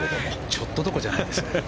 ちょっとどころじゃないですね。